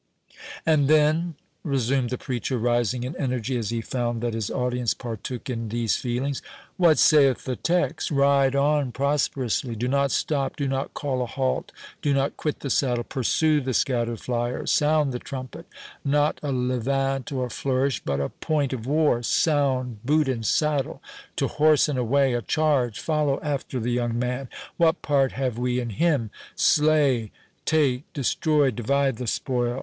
"And then," resumed the preacher, rising in energy as he found that his audience partook in these feelings, "what saith the text?—Ride on prosperously—do not stop—do not call a halt—do not quit the saddle—pursue the scattered fliers—sound the trumpet—not a levant or a flourish, but a point of war—sound, boot and saddle—to horse and away—a charge!—follow after the young Man!—what part have we in him?—Slay, take, destroy, divide the spoil!